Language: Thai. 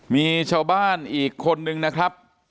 มีชาวบ้านอีกคนนึงนะครับ